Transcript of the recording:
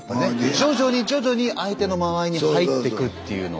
徐々に徐々に相手の間合いに入ってくっていうのを。